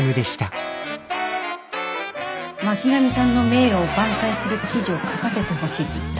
巻上さんの名誉を挽回する記事を書かせてほしいって言った。